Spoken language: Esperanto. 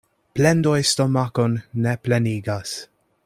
Plendoj stomakon ne plenigas.